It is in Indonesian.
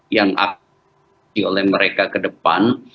yang aktif oleh mereka ke depan